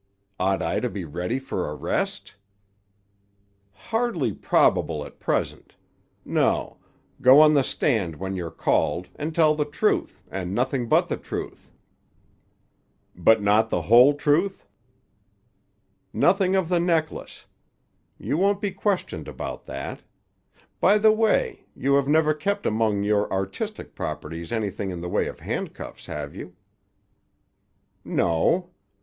"Ought I to be ready for arrest?" "Hardly probable at present. No; go on the stand when you're called, and tell the truth, and nothing but the truth." "But not the whole truth?" "Nothing of the necklace. You won't be questioned about that. By the way, you have never kept among your artistic properties anything in the way of handcuffs, have you?" "No."